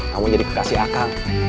kamu jadi kekasih akang